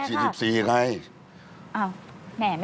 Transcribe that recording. แหม่ไม่ได้ให้ด้วย